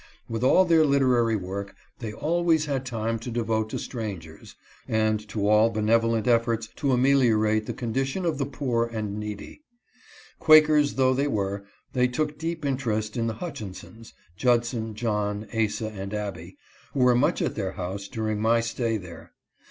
With all their literary work, they always had time to devote to strangers, and to all benevo lent efforts to ameliorate the condition of the poor and needy. Quakers though they were, they took deep interest in the Hutchinsons — Judson, John, Asa, and Abby — who were much at their house during my stay there. Mrs.